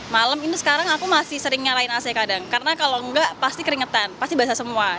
malam ini sekarang aku masih sering nyalain ac kadang karena kalau enggak pasti keringetan pasti basah semua